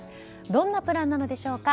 どんなプランなのでしょうか。